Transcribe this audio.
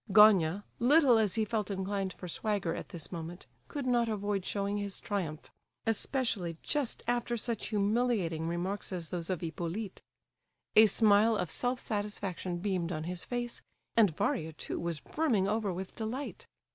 Gania, little as he felt inclined for swagger at this moment, could not avoid showing his triumph, especially just after such humiliating remarks as those of Hippolyte. A smile of self satisfaction beamed on his face, and Varia too was brimming over with delight.